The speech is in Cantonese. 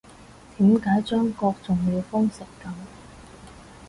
點解中國仲要封成噉